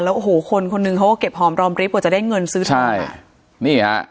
โอ้โหคนคนหนึ่งเขาก็เก็บหอมรอมริบกว่าจะได้เงินซื้อทองนี่ฮะ